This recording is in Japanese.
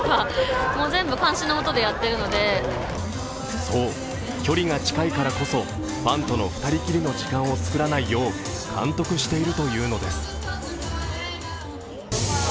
そう、距離が近いからこそファンの２人きりの時間を作らないよう監督しているというのです。